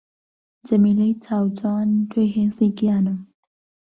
جەمیلەی چاو جوان تۆی هێزی گیانم